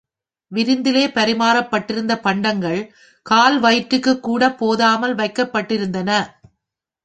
விருந்திலே பரிமாறப் பட்டிருந்த பண்டங்கள் கால் வயிற்றுக்குக் கூடப் போதாமல் வைக்கப்பட்டிருந்தன.